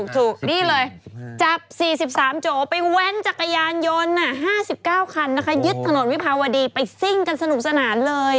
ถูกนี่เลยจับ๔๓โจไปแว้นจักรยานยนต์๕๙คันนะคะยึดถนนวิภาวดีไปซิ่งกันสนุกสนานเลย